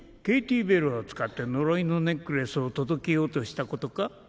ケイティ・ベルを使って呪いのネックレスを届けようとしたことか？